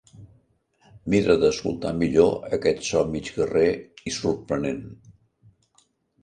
Mira d'escoltar millor aquest so mig guerrer i sorprenent.